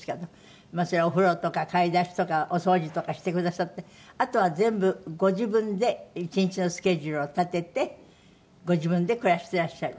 それはお風呂とか買い出しとかお掃除とかしてくださってあとは全部ご自分で１日のスケジュールを立ててご自分で暮らしてらっしゃる。